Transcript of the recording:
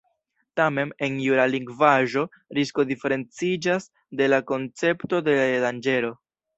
Tamen, en jura lingvaĵo „risko“ diferenciĝas de la koncepto de „danĝero“.